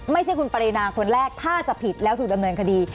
ไม่ใช่คุณปรินาคนแรกถ้าจะผิดแล้วถูกดำเนินคดี